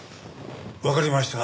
わかりました。